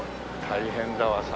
大変だわさ。